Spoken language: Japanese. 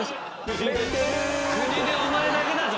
国でお前だけだぞ。